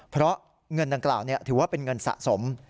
เพราะเงินดังกล่าวถือว่าเป็นเงินสะสม